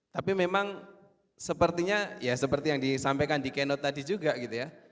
tapi memang sepertinya ya seperti yang disampaikan di keno tadi juga gitu ya